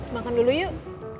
makan dulu yuk